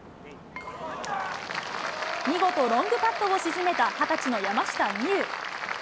見事ロングパットを沈めた２０歳の山下美夢有。